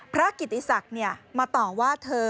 กิติศักดิ์มาต่อว่าเธอ